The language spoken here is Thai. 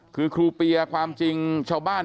คือครูเปียความจริงชาวบ้าน